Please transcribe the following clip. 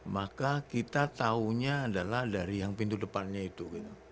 maka kita tahunya adalah dari yang pintu depannya itu